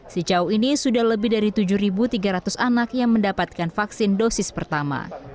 sejauh ini sudah lebih dari tujuh tiga ratus anak yang mendapatkan vaksin dosis pertama